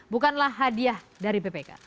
bukanlah hadiah dari bpk